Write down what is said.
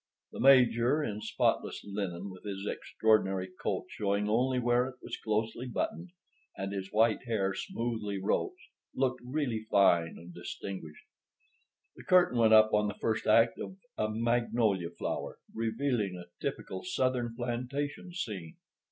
The Major, in spotless linen, with his extraordinary coat showing only where it was closely buttoned, and his white hair smoothly roached, looked really fine and distinguished. The curtain went up on the first act of A Magnolia Flower, revealing a typical Southern plantation scene.